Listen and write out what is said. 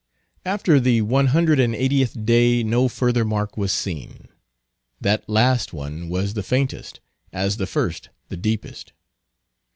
After the one hundred and eightieth day no further mark was seen; that last one was the faintest, as the first the deepest.